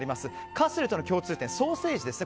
カスレとの共通点はソーセージですね。